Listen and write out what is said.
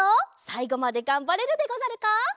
さいごまでがんばれるでござるか？